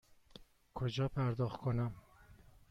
کجا پرداخت کنم؟